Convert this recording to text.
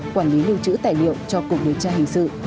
quản lý lưu trữ tài liệu cho cục điều tra hình sự